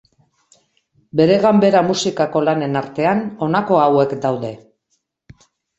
Bere ganbera musikako lanen artean, honako hauek daude.